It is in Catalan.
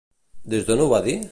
Des d'on ho va dir?